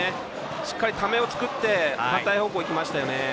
しっかり、ためを作って反対方向にいきましたね。